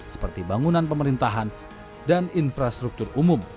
seperti bangunan pemerintahan dan infrastruktur umum